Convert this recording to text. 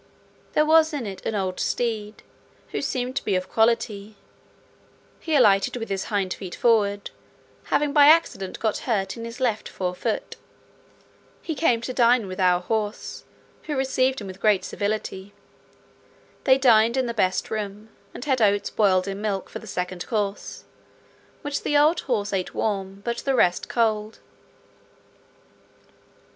There was in it an old steed, who seemed to be of quality; he alighted with his hind feet forward, having by accident got a hurt in his left fore foot. He came to dine with our horse, who received him with great civility. They dined in the best room, and had oats boiled in milk for the second course, which the old horse ate warm, but the rest cold.